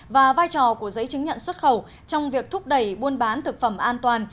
và vai trò của giấy chứng nhận xuất khẩu trong việc thúc đẩy buôn bán thực phẩm an toàn